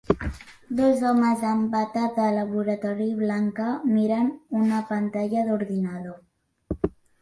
Dos homes amb bata de laboratori blanca miren una pantalla d'ordinador